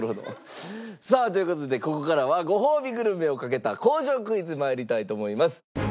さあという事でここからはごほうびグルメをかけた工場クイズまいりたいと思います。